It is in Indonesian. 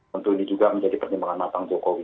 tentu ini juga menjadi pertimbangan matang jokowi